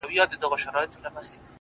موږ د تاوان په کار کي یکایک ده ګټه کړې ـ